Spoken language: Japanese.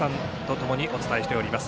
ともにお伝えしております。